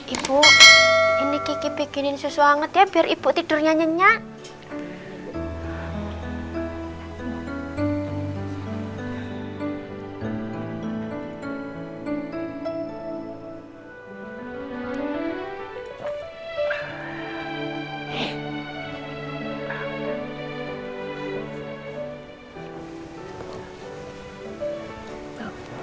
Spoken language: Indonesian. ibu ini kiki bikinin susu hangat ya biar ibu tidurnya nyenyak